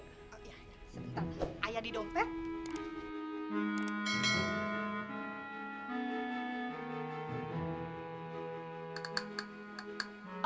sebentar ayah di dompet